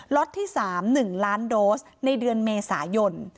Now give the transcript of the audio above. ล็อตที่สามหนึ่งล้านโดสในเดือนเมษายน